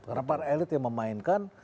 karena para elit yang memainkan